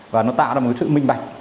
và nó tạo ra một sự minh bạch